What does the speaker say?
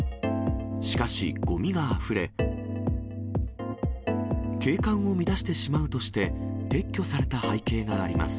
しかし、ごみがあふれ、景観を乱してしまうとして、撤去された背景があります。